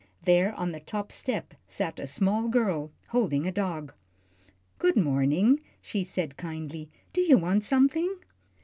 There on the top step sat a small girl holding a dog. "Good morning," she said, kindly; "do you want something?"